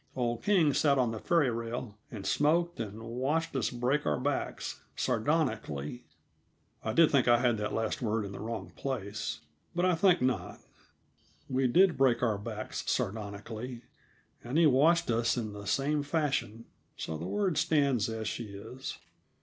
Old King sat on the ferry rail and smoked, and watched us break our backs sardonically I did think I had that last word in the wrong place; but I think not. We did break our backs sardonically, and he watched us in the same fashion; so the word stands as she is.